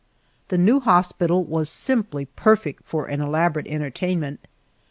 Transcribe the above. The new hospital was simply perfect for an elaborate entertainment.